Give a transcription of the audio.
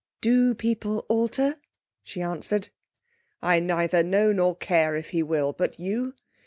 'Do people alter?' she answered. 'I neither know nor care if he will, but you?